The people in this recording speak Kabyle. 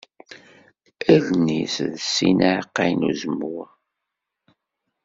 Allen-is d sin n yiɛeqqayen n uzemmur.